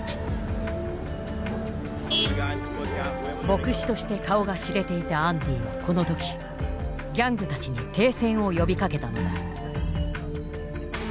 牧師として顔が知れていたアンディはこの時ギャングたちに停戦を呼びかけたのだ。